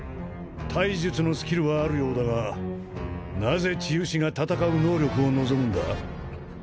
体術のスキルはあるようだがなぜ治癒士が戦う能力を望むんだ？